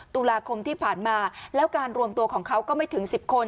ตุลาคมที่ผ่านมาแล้วการรวมตัวของเขาก็ไม่ถึง๑๐คน